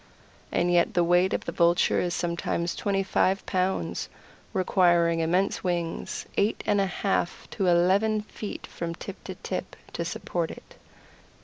And yet the weight of the Vulture is sometimes twenty five pounds, requiring immense wings eight and a half to eleven feet from tip to tip to support it.